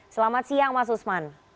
selamat siang mas usman